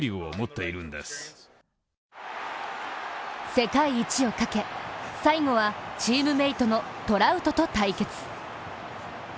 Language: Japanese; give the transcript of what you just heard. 世界一をかけ、最後はチームメイトのトラウトと対決。